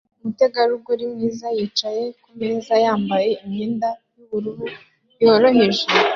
Umutegarugori mwiza yicaye kumeza yambaye imyenda yubururu yoroheje